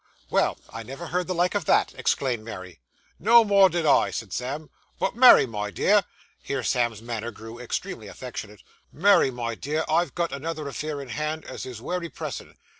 'Well, I never heard the like of that!' exclaimed Mary. 'No more did I,' said Sam. 'But Mary, my dear' here Sam's manner grew extremely affectionate 'Mary, my dear, I've got another affair in hand as is wery pressin'.